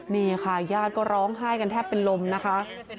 นี่ค่ะญาติก็ร้องไห้กันแทบเป็นลมนะคะ